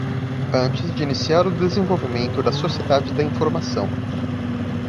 Antes de iniciar o desenvolvimento da Sociedade da Informação.